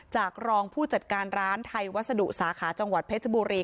รองผู้จัดการร้านไทยวัสดุสาขาจังหวัดเพชรบุรี